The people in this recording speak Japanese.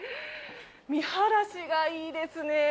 見晴らしがいいですね。